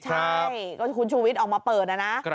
ใช่ก็คุณชูวิทย์ออกมาเปิดนะนะ